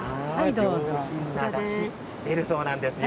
上品なだしが出るそうなんですよ。